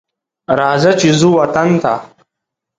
راځه چې ځو وطن ته